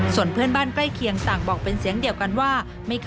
ส่วนเพื่อนบ้านใกล้เคียงต่างบอกเป็นเสียงเดียวกันว่า